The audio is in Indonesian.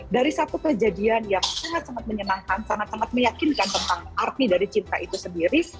dari satu kejadian yang sangat sangat menyenangkan sangat sangat meyakinkan tentang arti dari cinta itu sendiri